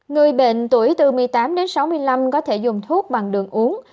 người bệnh tuổi từ một mươi tám đến sáu mươi năm có thể dùng thuốc bằng đường uống